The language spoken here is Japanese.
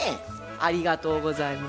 ありがとうございます。